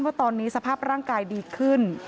ว่าตอนนี้สภาพร่างกายดีขึ้น